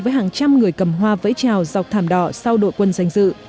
với hàng trăm người cầm hoa vẫy trào dọc thảm đỏ sau đội quân danh dự